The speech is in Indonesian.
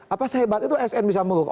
apa sehebat itu sn bisa mengukur